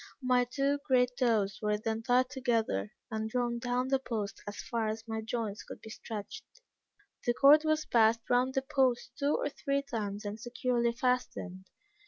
My two great toes were then tied together, and drawn down the post as far as my joints could be stretched; the cord was passed round the post two or three times and securely fastened.